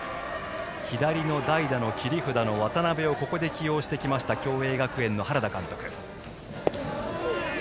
左の代打の切り札の渡邊をここで起用してきました共栄学園の原田監督。